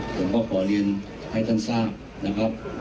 ผมก็ขอเรียนให้ท่านทราบนะครับ